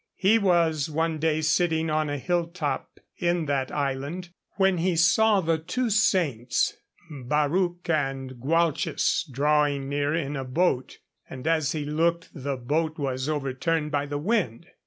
He was one day sitting on a hill top in that island when he saw the two saints Barruc and Gwalches drawing near in a boat, and as he looked the boat was overturned by the wind.